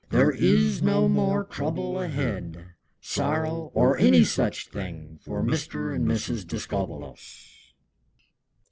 There is no more trouble ahead, Sorrow or any such thing, For Mr. and Mrs. Discobbolos!"